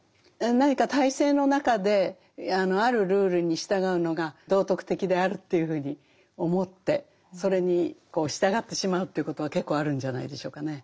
何か体制の中であるルールに従うのが道徳的であるというふうに思ってそれに従ってしまうということは結構あるんじゃないでしょうかね。